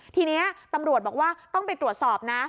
ทีนี้ตำรวจบอกว่าต้องไปตรวจสอบนะ